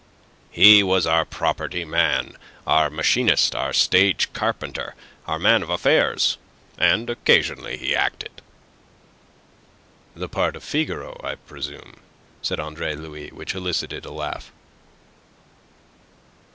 "He was our property man, our machinist, our stage carpenter, our man of affairs, and occasionally he acted." "The part of Figaro, I presume," said Andre Louis, which elicited a laugh.